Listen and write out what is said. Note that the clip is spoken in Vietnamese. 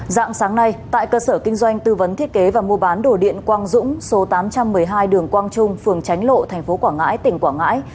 dạng sáng nay tại cơ sở kinh doanh tư vấn thiết kế và mua bán đồ điện quang dũng số tám trăm một mươi hai đường quang trung phường tránh lộ tp quảng ngãi tỉnh quảng ngãi